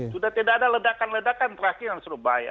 sudah tidak ada ledakan ledakan terakhir yang seru bahaya